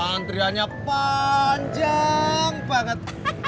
antriannya panjang banget